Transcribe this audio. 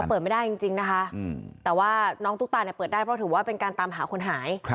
เปิดไม่ได้จริงนะคะแต่ว่าน้องตุ๊กตาเนี่ยเปิดได้เพราะถือว่าเป็นการตามหาคนหาย